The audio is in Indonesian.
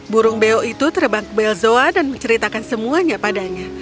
burung beo itu terbang ke belzoa dan menceritakan semuanya padanya